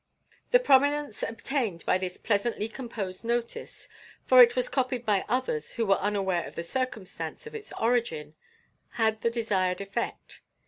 The prominence obtained by this pleasantly composed notice for it was copied by others who were unaware of the circumstance of its origin had the desired effect.